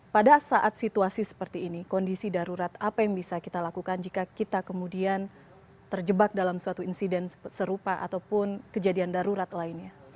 pada saat situasi seperti ini kondisi darurat apa yang bisa kita lakukan jika kita kemudian terjebak dalam suatu insiden serupa ataupun kejadian darurat lainnya